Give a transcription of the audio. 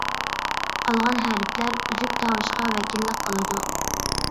قالغان ھەرپلەر ئۈزۈك تاۋۇشقا ۋەكىللىك قىلىدۇ.